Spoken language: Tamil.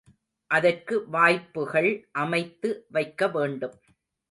அதற்கு வாய்ப்புகள் அமைத்து வைக்க வேண்டும்.